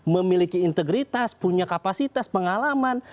memiliki integritas punya kapasitas pengalaman